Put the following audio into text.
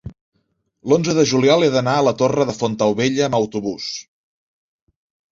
l'onze de juliol he d'anar a la Torre de Fontaubella amb autobús.